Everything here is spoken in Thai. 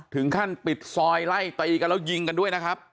ถึงขั้นปิดซอยไล่ตีกันแล้วยิงกันด้วยนะครับ